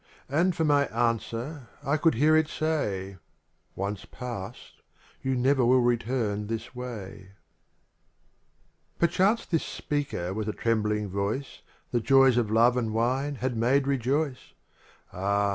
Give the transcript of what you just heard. And for my answer I could hear it say: "Once passed, you never will return this way/ xJtxvt Perchance this speaker with a trembling voice The joys of love and wine had made rejoice, Ah!